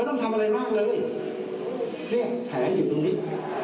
แล้วไม่แห่งตาอยู่นี้